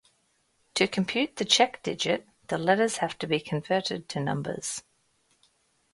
To compute the check digit, the letters have to be converted to numbers.